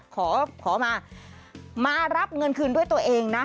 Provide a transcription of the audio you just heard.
ขอมามารับเงินคืนด้วยตัวเองนะ